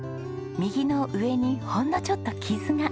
右の上にほんのちょっと傷が。